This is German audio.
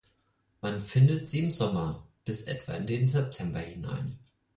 Man findet sie im Sommer, bis etwa in den September hinein.